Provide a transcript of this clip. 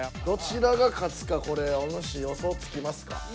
どちらが勝つかこれおぬし予想つきますか？